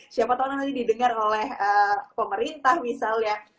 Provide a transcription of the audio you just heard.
siapa tau nanti didengar oleh pemerintah misalnya